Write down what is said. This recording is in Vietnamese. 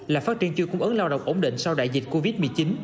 là phát triển chuyên cung ứng lao động ổn định sau đại dịch covid một mươi chín